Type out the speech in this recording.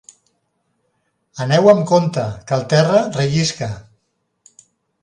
Aneu amb compte, que el terra rellisca.